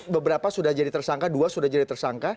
beberapa sudah jadi tersangka dua sudah jadi tersangka